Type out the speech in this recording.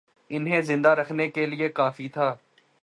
انہیں زندہ رکھنے کے لیے کافی تھا